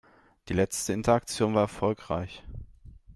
Die letzte Interaktion war erfolgreich.